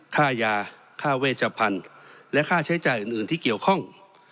ค่ายาค่าเวชพันธุ์และค่าใช้จ่ายอื่นที่เกี่ยวข้อง